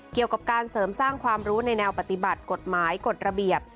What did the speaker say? เกี่ยวกับการเสริมสร้างความรู้ในแนวปฏิบัติกฎหมายกฎระเบียบ